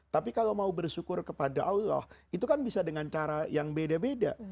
tapi kalau mau bersyukur kepada allah itu kan bisa dengan cara yang beda beda